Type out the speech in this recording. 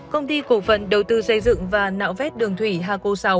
công ty cổ phần đầu tư xây dựng và nạo vét đường thủy hà cô sáu